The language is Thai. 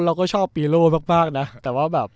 เราก็ชอบปีโอโหลมากนะ